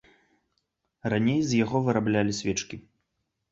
Раней з яго выраблялі свечкі.